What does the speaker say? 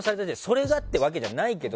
それがってわけじゃないけど。